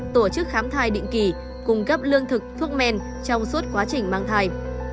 tổ chức khám thai định kỳ cung cấp lương thực thuốc men trong suốt quá trình mang thai